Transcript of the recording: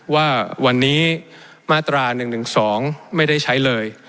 ว่าวันนี้มาตรา๑๑๒ไม่ได้ใช้เลย